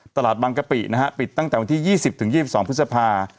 ตลาดบางกะปินะฮะปิดตั้งแต่วันที่ยี่สิบถึงยี่สิบสองพฤษภา